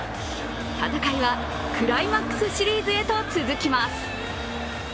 戦いはクライマックスシリーズへと続きます。